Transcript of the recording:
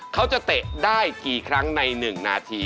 เตะได้กี่ครั้งใน๑นาที